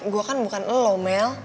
gue kan bukan lo mel